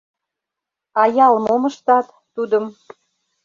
А ял мом ыштат, тудым...